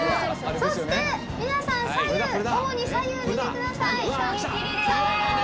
そして皆さん左右主に左右見て下さい！